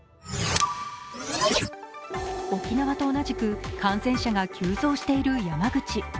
沖縄と同じく感染者が急増している山口。